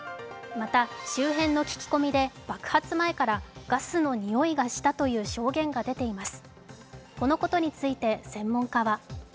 また、周辺の聞き込みで爆発前からガスの臭いがしたという証言が出ています。